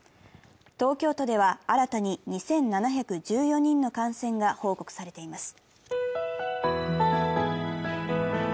東京都では新たに２７１４人の感染が報告されています。